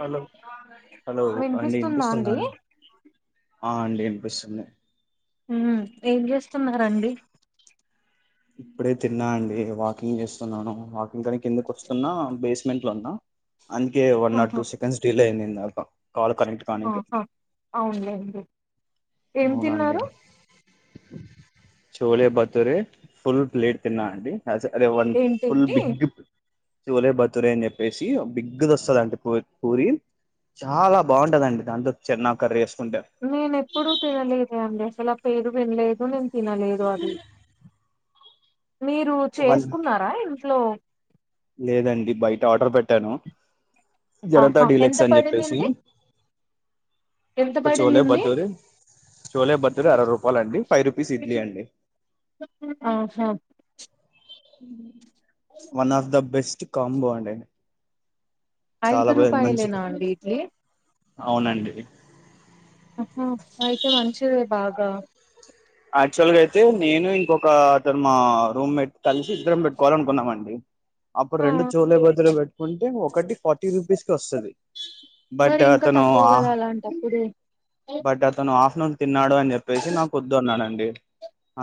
Hello hello అండి వినిపిస్తుందా వినిపిస్తుంద అండి ఆ అండి అనిపిస్తుంది ఏం చేస్తున్నరండి ఇప్పుడే తిన్నా అండి వాకింగ్ చేస్తున్నాను వాకింగ్ అని కిందకు వస్తున్నా బేస్మెంట్ లో ఉన్నా అందుకే వన్ ఆర్ ఆహా టూ సెకండ్స్ డల్ అయ్యి [unintelligible] ఆహా అవులెండి అవునండి చోళ బతురే ఫుల్ ప్లేట్ తిన్నా అడి స అరే వన్ ఫుల్ ఏంటేంటి బిగ్ గి చూలే బతురే అని చెప్పేసి బిగ్గ్ది ఒస్తదండి పు పూరి చాలా బాగుంటదండి దాంట్లో చెన్న కర్రీ ఏస్ నేనెప్ ప్పుడు తినలేదే అండి ఇలా పేరు వినలేదు నేన్ తినలేదు అది మీరు వన్ చేసుకున్నారా ఇంట్లో లేదండి బయట ఆర్డర్ పెట్టాను జనతా ఆహా ఎంత డిలక్స్ అని చెప్పేసి పడిందండి ఎంత ఒక చోలే పడిందండి బతూరి చోలే బతూరె అరవై రూపాలండి ఫైవ్ రూపీస్ ఇడ్లీ అండి ఆహా [inaudible] one of the best combo అండి చాలా ఐదు బ మంచి రూపాయలేనా అండి ఇడ్లీ అవునండి ఆహా అయితే మంచిదె బాగా అచువల్ గైతే నేను ఇంకొకా అతన్ మా రూమ్మెట్ కలిసి ఇద్దరం పెట్టుకోవాలనుకున్నామ్ అండి అప్పుడు ఆ రెండు చోలే బతురే పెట్టుకుంటే ఒకటి ఫార్టీ రూపీస్కి ఒస్తది బట్ మరి ఇంకా అతను తక్కువ కదా ఆహ్ అలాంటప్పుడు బట్ అతను ఆఫ్నూన్ న్నాడు అని చెప్పేసి నాకు ఒద్ నండండి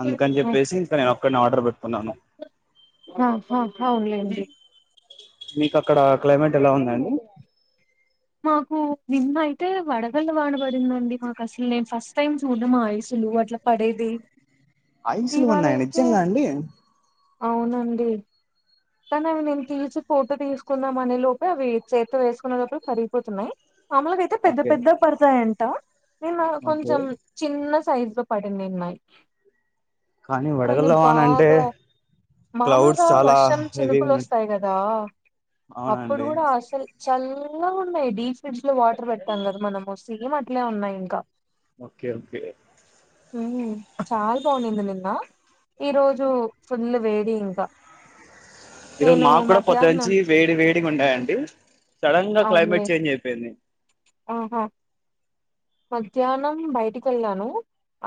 అందుకని చెప్పేసి ఇంక నేనోక్కన్ని ఆర్డర్ పెట్టుకున్నాను ఆహా అవునులేండి మీకక్కడా క్లైమేట్ ఎలా ఉందండి మాకు నిన్న అయితే వడగల్ల వానబడిందండి మాకసలే నేన్ ఫస్ట్ టైం చూడ్డం ఆయిసులు అట్లా పడేది ఐసులు ఇవాళ ఉన్నాయ అయితే నిజ్జంగా అండి అవునండి కాని అవి నేను తీసి ఫోటో తీసుకుందాం అనే లోపే అవి చేత్లో వేసుకున్న లోపే కరిగిపోతున్నాయి మాములుగాతే పెద్ద ఓకే పెద్దగ పడతాయంట నిన్న ఓకే కొంచెం చిన్నా సైజ్ లో పడింది నిన్నయ్ కానీ వడగల్ల వాన అంటే క్లౌడ్స్ మామూలుగా చాలా వర్షం హెవీగా చినుకులు ఉన్నట్టు ఒస్తాయికదా ఆ అప్పుడు అవునండి గూడా అసల్ చల్లగున్నాయి డీ ఫ్రిజ్లో వాటర్ పెడతాం కద మనం సేమ్ అట్లే ఉన్నాయి ఇంకా ఓకే ఓకే హ చాలా బాగున్నది నిన్న ఈ రోజు ఫుల్లు వేడి ఇంకా ఈరోోజు నేను మాకు కూడా పొద్దు మధ్యాహ్నం నుంచి వేడి వేడి ఉండే అండి సడన్ గా అవునులే క్లైమేట్ చేంజ్ అయిపోయింది ఆహా మధ్యాహ్నం బయటికి వెళ్ళాను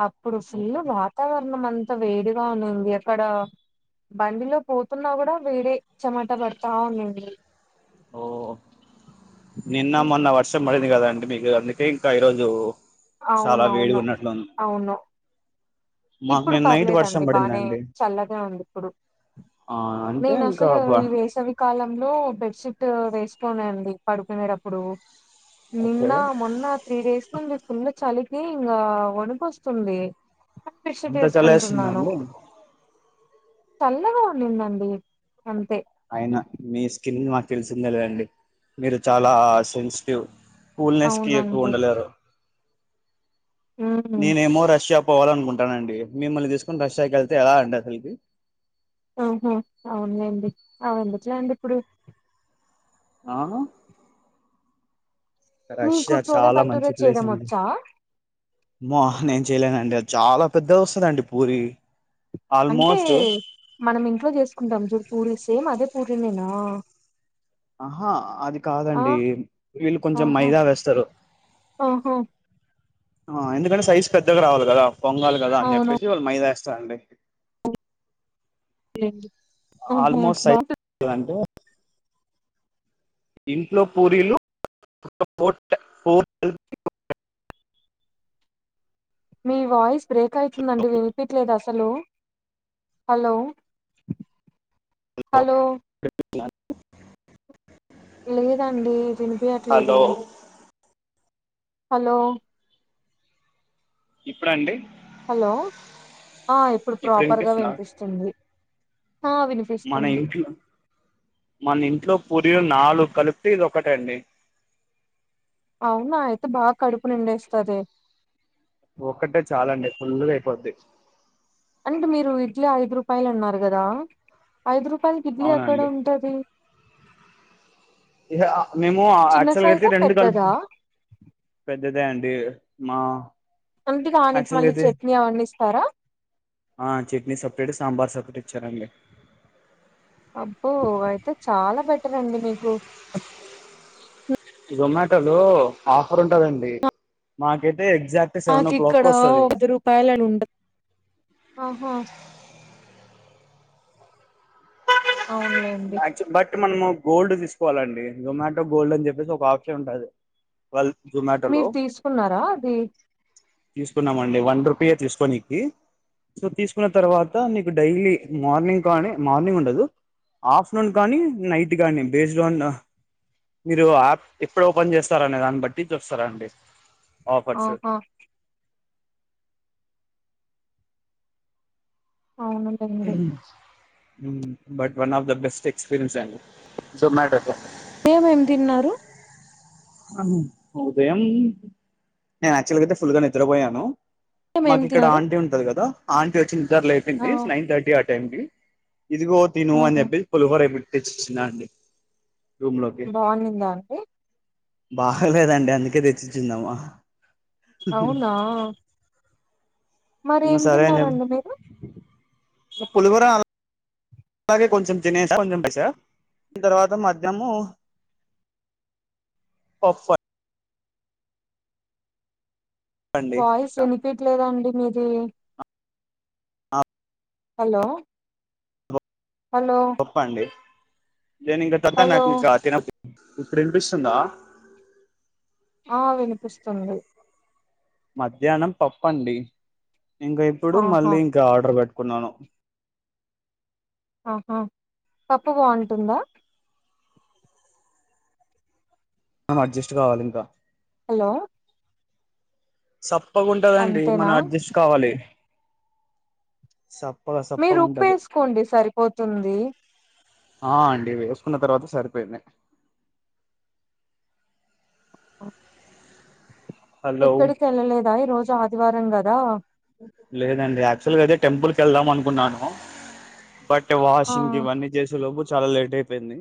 అప్పుడు ఫుల్ ఓకే వాతావరణం అంతా త వేడిగా ఉన్నింది అక్కడ బండిలో పోతున్నా కూడా వేడే చెమట పాడ్తానున్నది ఓ నిన్న ఉమ్, మొన్న వర్షం పడింది కదా అండి మీకు అందుకే ఇంకా ఈరోజు చాలా వేడిగా అవునావును ఉన్నట్లుంది అవును మాకు ఇప్పుడు నిన్న నైట్ వర్షం పర్లేదాండి బానే పడిందండి చల్లగా వుంది ఇప్పుడు ఆ అంటే నేను ఇంకా అసలు బ వేసవికాలం లో బేడ్షీట్ వేసుకొను అండి పడుకునేటప్పుడు ఓకే నిన్న మొన్న త్రీ డేస్ నుండి ఫుల్ చలి ఏ ఇంగా వణకొస్తుంది అంతా చాలేస్తుందా అండి చల్లగా ఉన్నిన్దండి అంతే అయినా మీ స్కిన్ నాకు తెలిసిందిందెలెండి మీరు చాలా సెన్సిటివ్ కూల్నెస్ కి ఎక్కువ్ అవునండి ఉండలేరు ఉమ్ నేనేమో రష్యా పోవాలనుకుంటానండి మిమ్మల్ని తీస్కొని రష్యాకి వెళ్తే ఎలా అండి అసల్కి ఆహా అవున్లేండి అవేందుకులెండి ఇప్పుడు ఆ మీకు రష్యా చోలే చాలా మంచి బట్టురే ప్లేస్ చేయడం అండి వచ్చా అమ్మో హ్ నేను చేయలేనండి అది చాలా పెద్దగోస్తదండి పూరి అంటే ఆల్మోస్ట్ మనం ఇంట్లో చేసుకుంటాం చూడు పూరి సేమ్ అదే పూరీనేనా ఆహ్ అది ఆ కాదండి వీళ్ళు కొంచెం ఆహా మైదా వెస్తారు ఆహా ఆ ఎందుకంటే సైజ్ పెద్దగా రావాలి కదా పొంగాలి కదా అని చెప్పేసి అవునవునులేండి వాళ్ళు మైదా వేస్త్ [unintelligible] ఏంది ఆల్మోస్ట్ [unintelligible] అంటే ఇంట్లో పూరీలు ట్.. పు.. ట్... పు... ట్.. ల్.. హో.. మీ వాయిస్ బ్రేకైతుందండి వినిపియ్యట్లేద్ అసలు హలో ఫ్ హలో క్ల ర్ ప్ లేదండి వినిపియ్యట్లేదు హలో.. ఇప్పుడండి హలో ఆ ఇప్పుడు ప్రాపర్గా వినిపిస్తుంది ఆ మన వినిపిస్తుంది ఇంట్లో మన ఇంట్లో పురి నాలుగు కలిపితే ఇది ఒకటండి అవునా అయితే బాగా కడుపు నిండేస్తది ఒక్కటే చాల అండి ఫుల్గా అయిపోద్ది అంటే మీరు ఇడ్లీ ఐదు రూపాయలు అన్నారు కదా ఐదు రూపాయల గిడ్లీ ఎక్కడ అవునండి ఉంటది మేము చిన్న యాక్చువల్గా అయితే సైజా రెండు కలుపు పెద్దదా అదే అండి మా అంతే గాని ఆనికి యాక్చువల్గా మళ్ళీ అయితే చట్నీ ఎమైన ఇస్తారా వచ్చారండి అబ్బో అయితే చాలా బట్ రండి మీకు జొమాటో లో ఆఫర్ ఉంటదండి మాకెట్ మాకు ఇక్కడ వది రూపాయలు అని ఉంటది అవును యక్స్ బట్ మనము గోల్డ్ తీసుకోవాలండి జొమాటో గోల్డ్ అని చెప్పేసి ఒక ఆప్షన్ ఉంటది వాల్ మీరు తీసుకున్నారా అది తీసుకున్నామ అండి వన్ రూపాయ తీసుకో నీ సో తీసుకున్న తర్వాత నీకు డైలీ మార్నింగ్ కానీ మార్నింగ్ ఉండదు ఆఫ్టర్నూన్ కానీ నైట్ కానీ బేస్డ్ ఆన్ మీరు యాప్ ఎప్పుడ ఓపెన్ చేస్తారనే దాన్ని బట్టి చూస్తార అండి ఆహా అవునందండి but one of the best experience Zomato ఏంమ్ ఏంమ్ తిన్నారు ఉదయం నేను యాక్చువల్గాయితే ఫుల్ గా నిద్రపోయాను ఉదయం ఏం మాకిక్కడ తిన్నారు ఆంటీ ఉంటది కదా ఆంటీ వచ్చి నిద్దర ఆ లేపింది నైన్ థర్టీ అ ఏంటి ఇదిగో తిను అని ఉమ్ చెప్పేసి పులిహోర తెచ్చేచింది ఆంటీ బాగుందిందా అండి బాగలేదండి అందుకే తెచ్చించిదామా అవునా మరి ఏం సరే అని తిన్నారండి చెప్పి మీరు పులిహోర అల లాగే కొంచెం తినేసా కొంచం తినేసా తర్వాత మధ్యనమూ పప్పు అ అండి వాయిస్ ఎనిపియట్లేదండి మీది ఆ హలో హలో పప్పు అండి నేను ఇంకా త త హలో తిన ఇప్పుడు వినిపిస్తుందా ఆ వినిపిస్తుంది మధ్యాహ్నం పప్పండి ఇంకా ఇప్పుడు ఆహా మళ్ళీ ఇంకా ఆర్డర్ బే ట్టుకున్నాను ఆహా పప్పు బాగుంటుందా ఆ అడ్జస్ట్ కావాలి ఇంకా హలో సప్ ప్పగుంటదండి అంతేనా మనం అడ్జస్ట్ కావాలి సప్పగా మీరు సప్పగా ఉప్పు ఉంటది వేసుకోండి సరిపోతుంది ఆ అండి వేసుకున్న తర్వాత సరిపోయింది ఆ హలో ఎక్కడికి వెళ్ళలేదా ఈ రోజు ఆదివారం క దా లేదండి యాక్చువల్గా అయితే టెంపుల్కివెళ్దాం అనుకున్నాను బట్ టే ఆ వాషింగ్ ఇంక ఇవన్నీ చేసేలోపు చాలా లేట్ అయిపోయింది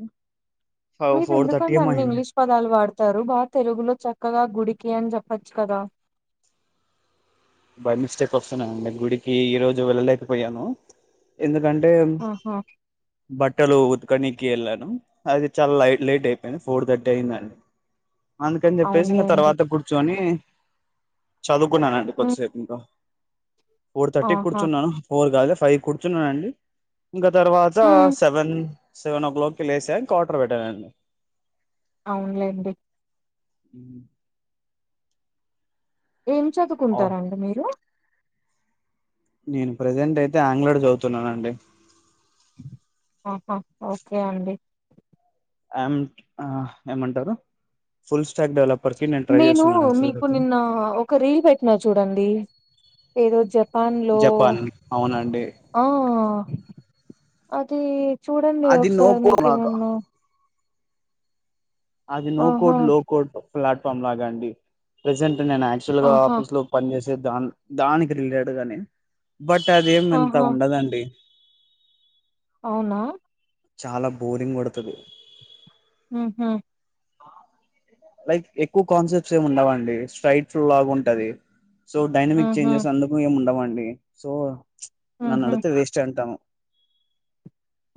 ఫవ్ మీరు ఫోర్ థర్టీ ఎందుకండి ఏమో అన్ని అయింది ఇంగ్లీష్ పదాలు వాడుతారు బాగా తెలుగులో చక్కగా గుడికి అని జెప్ పచ్చు కదా బై మిస్టేక్ వస్తున్నాయి అండి గుడికి ఈ రోజు వెళ్ళలేకపోయాను ఎందుక ఎందుకంటే ఆహా బట్టలు అక్కనికి వెళ్ళాను అది చాలా లైట్ లైట్ అయిపోయింది ఫోర్ థర్టీ అయిందండి అందుకని చెప్పేసి ఇంక అవునులేండి తర్వాత కూర్చొని చదువుకున్నా కొద్ది ఉమ్ సేపు ఇంకా ఫోర్ థర్టీ కి ఆహా కూర్చుచ్చున్నాను ఫోర్గాదు ఫైవ్ కూర్చున్నానుండి ఇంకా తర్వాత ఉమ్ సెవెన్ సెవెన్ ఓ క్లాక్కిి లేచా క్వార్ట్ర్ పెట్టానండి అవునులేండి ఉమ్ ఏం చదువుకుంటారండి మీరు నేను ప్రజెంట్ అయితే ఆండ్రాయిడ్ చదువుతున్నానండి ఆహా ఓకే అండి ఏం ఏమంటారు ఫుల్ స్టాక్ డెవలప్ నేను మీకు నిన్న ఒక రీల్ పెట్టినా చూడండి ఏదో జపాన్ లో జపాన్ అవునండి ఆ అది చూడండి అది ఒకసారి నోకో లాగా మీకేమన్నా అది నో ఆహా కోడ్ లోకోడ్ ప్లాట్ఫామ్ లాగా అండి ప్రెజెంట్ నే యాక్చువల్గా ఆహా ఆఫీస్ లో పని చేస్త దా దానికి రిలేటెడ్ గా నేను బట్ అదేమి అంత ఆహా ఉండదండి అవునా చాలా బోరింగ్ కోడుతది ఆహా లైక్ ఎక్కువ కాన్సెప్ట్స్ ఏమి ఉండవండి స్ట్రైట్ ఫుల్ లాగ ఉంటది సో డైనమిక్ ఉహు చేంజెస్ అందుకు ఏము ఉండవాండి అ సో ఉహు నన్నడుగతే వెస్ట్ హే అంటాను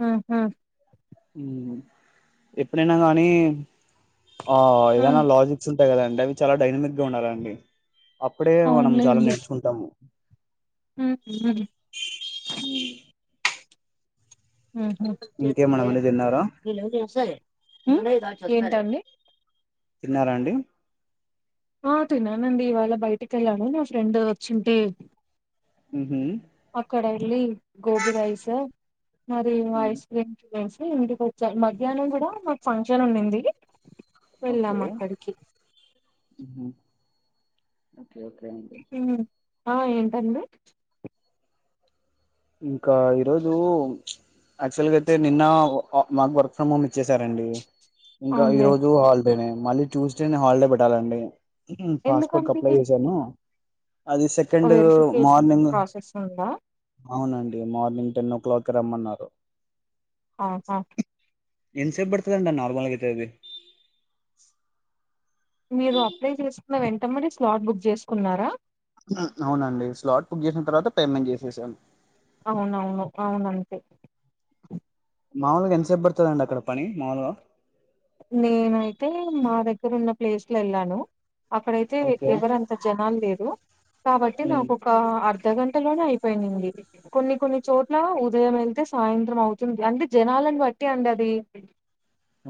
ఆ హా ఉమ్ ఎప్పుడైనా కానీ ఆ ఉ ఏదైనా లాజిక్స్ ఉ అ కదండి అవి చాలా డైనమిక్ గా ఉండాలండి అప్పుడే మనం చాలా నేర్చుకుంటాము హ ఇంకేమన్నా మరి తిన్నారా ఇ సర ఏంట అండి తిన్నారాండి ఆ తిిననండి ఇవాళ బయటికి వెళ్ళాను నా ఫ్రెండ్ వచుంటే ఉహు అక్కడ వెళ్ళి గోబి రైస్ మరి ఐస్ క్రీమ్ ఇంటిక వచ్చారు మధ్యాహ్నం కూడా మాకు ఫంక్షన్ ఉన్నింది ఓకే వెళ్ళాం అక్కడికి ఓకే ఓకే అండి హ ఆ ఏంటండీ ఇంకా ఈరోోజు యాక్చువల్గా అయితే నిన్న మాకు వర్క్ ఫ్రమ్ హోమ్ ఇచ్చేసారంండి ఇంకా ఈరోజు అవునులేండి హాల్దేనే మళ్ళీ ట్యూస్డే న హాలిడే పెట్టాలండి పాస్పోర్ట్ కి ఎందుకండి అప్లై చేశాను అది సెకండ్ వెరిఫికేషన్ మార్నింగ్ ప్రాసెస్ ఉందా అవునండి మార్నింగ్ టెన్ ఓ క్లాక్ రమ్మన్నారు ఆహా ఇన్సేపు పడుతుదంట నార్మల్ అతేవి మీరు అప్లై చేసుకున్న వెంట మడి స్లాట్ బుక్ చేసుకున్నారా అవునండి స్లాట్ బుక్ చేసిన తర్వాత పేమెంట్ చేసేసాను అవునవును అవునంతే మాములుగా ఎంతసేపు పడుతుందిండి అక్కడ పని మాముూలుగా నేనైతే మా దగ్గర ఉన్న ప్లేస్ లో వెళ్ళాను అక్కడైతే ఓకే ఎవరంత జనాలు లేరు కాబట్టి నాకొక అర్ధగంట గంటలోనే అయిపోయినంది కొన్ని కొన్ని చోట్ల ఉదయం వెళ్తే సాయంత్రం అవుతుంది అంటే జనాలను బట్టి అండి అది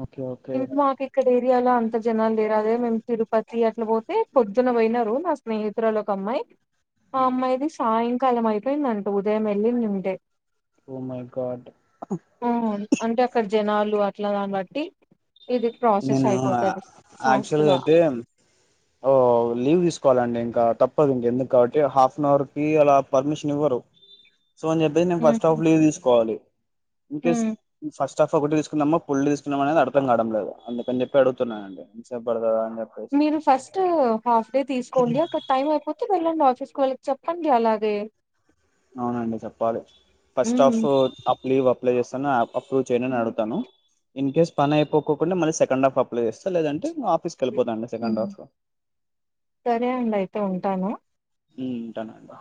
ఓకే ఓకే ఇంక మాకు ఇక్కడ ఏరియాలో అంత జనాలు లేరా అదే మేము తిరుపతి అట్ల పోతే పొద్దున పోయినారు నా స్నేహితురాలు ఒక అమ్మాయి ఆ అమ్మాయిది సాయంత్రం కాలం అయిపోయిందంటు ఉదయం మ వెల్లి నింటే ఓ మై గార్డ్ ఆ అంటే అక్కడ జనాలు అట్ల దాన్ని బట్టి ఇది ప్రాసెస్ నేను అయిపోతది ఫాస్ట్ యాక్చువల్ గా అయితే ఓ లీవ్ తీసుకోవాలండి ఇంకా తప్పదు ఇంక ఎందుకు కాబట్టి హాఫ్ అన్ అవర్ కి అలా పర్మిషన్ ఇవ్వరు సో అని చెప్పేసి నే ఫస్ట్ఫ్ లీవ్ తీసుకోవాలి ఇక స్ ఫస్ట్ స్టఫ్ ఒకటి తీసుకున్నామో ఫుల్ తీసుకున్నాం అనేది అర్థం కావడం లేదు అందుకని చెప్పి అడుగుతున్నాయండి ఎంత సెప్ పడతాది అ మీరు ఫస్ట్ హాఫ్ డే తీసుకోండి, అక్కడ టైం అయిపోతే వెళ్ళండి ఆఫీస్ వాళ్ళకి చెప్పండి అది అవునండి చెప్పాలి ఫస్ట్ హ్మ్. ఆఫ్ అప్ లీవ్ అప్ అప్లయ్ చేస్తా అప్రూ్ చేయండి అని అడుగుతాను ఇన్ కేస్ పని అయిపోకోకుండా మళ్ళ సెండ్ హఫ్ అప్ల చేస్తా లేదంటే అ సరేండయితే ఉం ఉంటాను ఉ ఉంటనండి